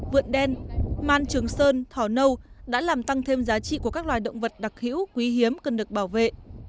vượn đen man trường sơn thỏ nâu đã làm tăng thêm giá trị của các loài động vật đặc hữu quý hiếm cần được bảo vệ